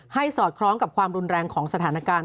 สอดคล้องกับความรุนแรงของสถานการณ์